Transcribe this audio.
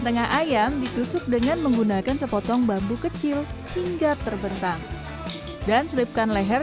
tengah ayam ditusuk dengan menggunakan sepotong bambu kecil hingga terbentang dan selipkan leher